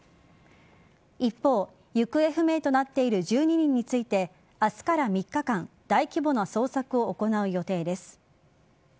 一方、行方不明となっている１２人について明日から３日間大規模な捜索を行う予定です。